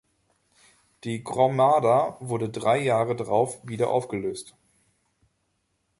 Die Gromada wurde drei Jahre darauf wieder aufgelöst.